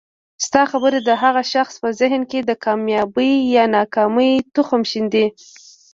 ستا خبري د هغه شخص په ذهن کي د کامیابۍ یا ناکامۍ تخم ښیندي